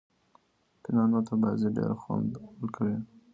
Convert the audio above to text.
فېنانو ته بازي ډېره خوند ورکوي.